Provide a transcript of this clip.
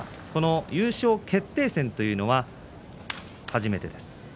優勝決定戦というのは初めてです。